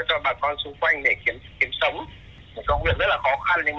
sửa chữa điện và sửa chữa cho bà con xung quanh để kiếm sống công việc rất là khó khăn nhưng mà